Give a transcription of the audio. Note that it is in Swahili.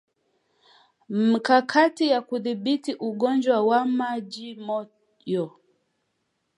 Mikakati ya kudhibiti ugonjwa wa majimoyo